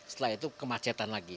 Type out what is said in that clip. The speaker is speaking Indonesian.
setelah itu kemacetan lagi